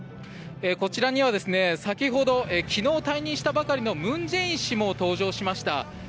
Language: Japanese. こちらには先ほど、昨日退任したばかりの文在寅氏も登場しました。